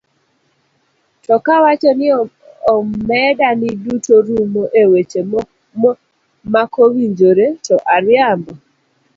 To kawacho ni omeda ni duto rumo e weche makowinjore, to ariambo?